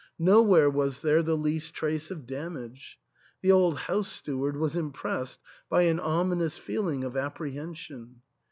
Nowhere was there the least trace of damage. The old house steward was impressed by an ominous feeling of apprehen sion.